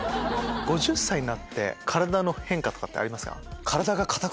５０歳になって体の変化とかってありますか？